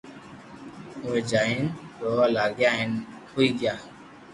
اووي جائين رووا لاگيا ڪي ھوئي گيا